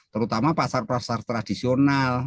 terutama pasar pasar tradisional